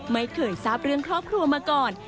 ไม่เคยทราบเรื่องครอบครัวมาก่อน